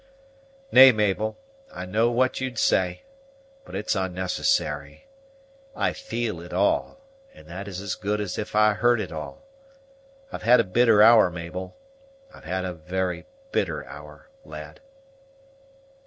Nay, Mabel, I know what you'd say, but it's unnecessary; I feel it all, and that is as good as if I heard it all. I've had a bitter hour, Mabel. I've had a very bitter hour, lad."